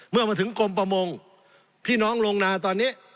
เมื่อมาถึงกรมประมงพี่น้องลงนาตอนนี้